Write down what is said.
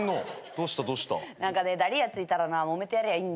どうしたどうした？だりぃやついたらなもめてやりゃいいんだよ。